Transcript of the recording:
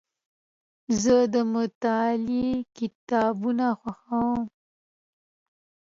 زه د مطالعې کتابونه خوښوم.